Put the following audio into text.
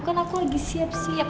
kan aku lagi siap siap